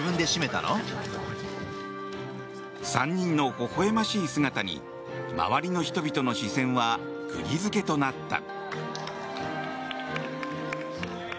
３人のほほ笑ましい姿に周りの人々の視線はくぎ付けとなった。